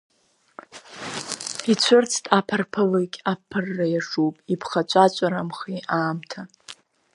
Ицәырҵт аԥарԥалыкь, аԥырра иаҿуп, иԥхаҵәаҵәарамхеи аамҭа.